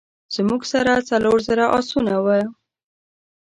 زموږ سره څلور زره آسونه وه.